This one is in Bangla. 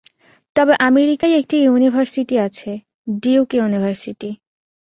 তবে আমেরিকায় একটি ইউনিভার্সিটি আছে-ডিউক ইউনিভার্সিটি।